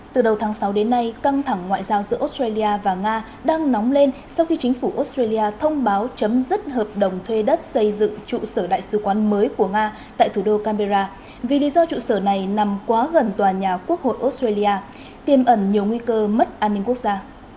từ đầu tháng sáu đến nay căng thẳng ngoại giao giữa australia và nga đang nóng lên sau khi chính phủ australia thông báo chấm dứt hợp đồng thuê đất xây dựng trụ sở đại sứ quán mới của nga tại thủ đô canberra vì lý do trụ sở này nằm quá gần tòa nhà quốc hội australia tiêm ẩn nhiều nguy cơ mất an ninh quốc gia